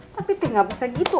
tapi teh gak bisa gitu